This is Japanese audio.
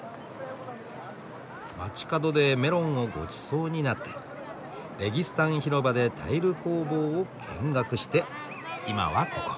街角でメロンをごちそうになってレギスタン広場でタイル工房を見学して今はここ。